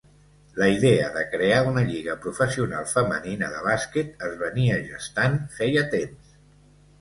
La idea de crear una lliga professional femenina de bàsquet es venia gestant feia temps.